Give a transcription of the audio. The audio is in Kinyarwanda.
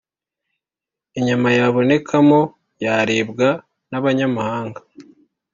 inyama yabonekamo yaribwa n’abanyamahanga.